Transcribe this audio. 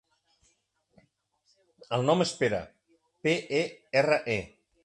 El nom és Pere: pe, e, erra, e.